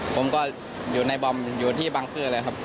ผมก็อยู่ในบอมอยู่ที่บังซื้อเลยครับ